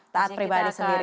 taat pribadi sendiri